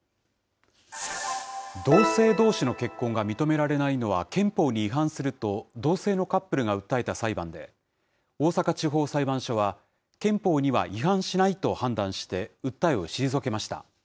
同性どうしの結婚が認められないのは憲法に違反すると、同性のカップルが訴えた裁判で、大阪地方裁判所は、憲法には違反しないと判断して、訴えを退けました。